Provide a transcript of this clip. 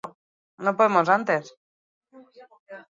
Zein pertsonaia ezagun iruditzen zaizu modaren erakusgarri aproposa?